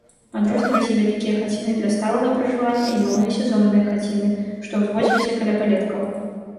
Адрозніваліся вялікія хаціны для сталага пражывання і малыя сезонныя хаціны, што ўзводзіліся каля палеткаў.